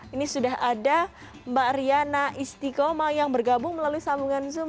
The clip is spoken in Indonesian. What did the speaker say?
ini sudah ada mbak riana istiqomah yang bergabung melalui sambungan zoom